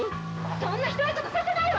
そんなひどいことさせないわ！